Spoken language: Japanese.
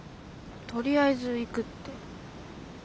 とりあえず行くって。